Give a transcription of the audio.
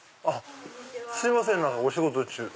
すいませんお仕事中。